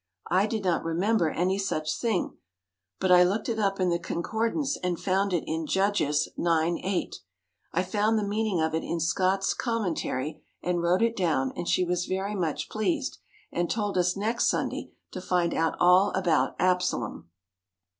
I did not remember any such thing, but I looked it up in the concordance and found it in Judges 9: 8. I found the meaning of it in Scott's Commentary and wrote it down and she was very much pleased, and told us next Sunday to find out all about Absalom.